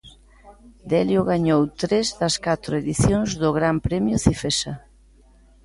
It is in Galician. Delio gañou tres das catro edicións do Gran Premio Cifesa.